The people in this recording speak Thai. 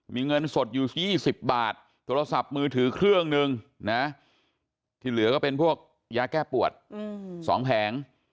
มีเงินสดอยู่๒๐บาทโทรศัพท์มือถือเครื่องหนึ่งนะที่เหลือก็เป็นพวกยาแก้ปวด๒แผง